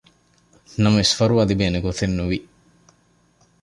ނަމަވެސް ފަރުވާ ލިބޭނެ ގޮތެއް ނުވި